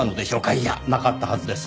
いやなかったはずです。